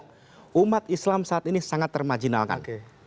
karena umat islam saat ini sangat termajinalkan